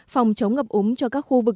phòng chống ngập úng cho các khu vực